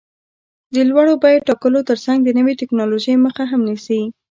د لوړو بیو ټاکلو ترڅنګ د نوې ټکنالوژۍ مخه هم نیسي.